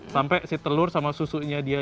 sampai si telur sama susunya dia